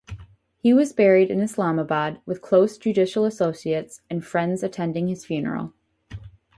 He was buried in Islamabad with close judicial associates and friends attending his funeral.